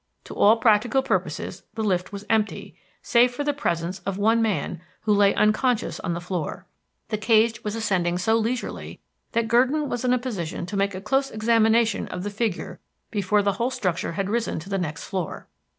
To all practical purposes, the lift was empty, save for the presence of one man, who lay unconscious on the floor. The cage was ascending so leisurely that Gurdon was in a position to make a close examination of the figure before the whole structure had risen to the next floor.